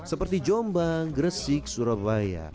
seperti jombang gresik surabaya